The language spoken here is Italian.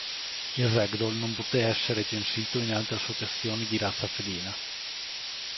Il Ragdoll non poté essere censito in altre associazioni di razza felina.